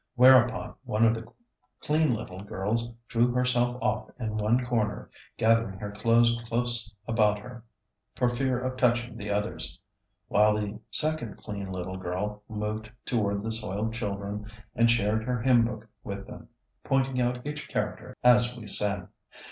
Whereupon one of the clean little girls drew herself off in one corner, gathering her clothes close about her for fear of touching the others; while the second clean little girl moved toward the soiled children and shared her hymnbook with them, pointing out each character as we sang.